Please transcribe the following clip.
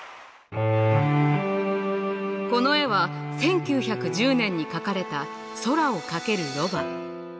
この絵は１９１０年に描かれた「空を駆けるロバ」。